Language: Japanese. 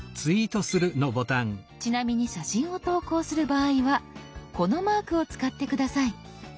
ちなみに写真を投稿する場合はこのマークを使って下さい。